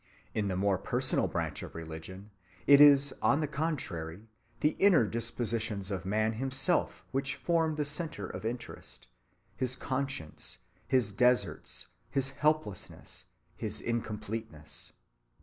In the more personal branch of religion it is on the contrary the inner dispositions of man himself which form the centre of interest, his conscience, his deserts, his helplessness, his incompleteness.